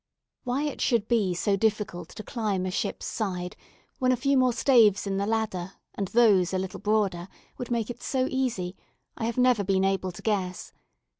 Why it should be so difficult to climb a ship's side, when a few more staves in the ladder, and those a little broader, would make it so easy, I have never been able to guess.